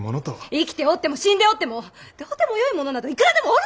生きておっても死んでおってもどうでもよい者などいくらでもおるであろう。